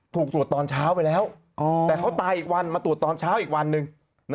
ถูกตรวจตอนเช้าไปแล้วแต่เขาตายอีกวันมาตรวจตอนเช้าอีกวันหนึ่ง